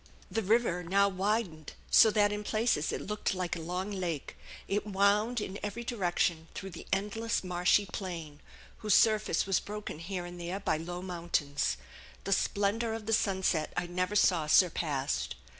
The river now widened so that in places it looked like a long lake; it wound in every direction through the endless marshy plain, whose surface was broken here and there by low mountains. The splendor of the sunset I never saw surpassed.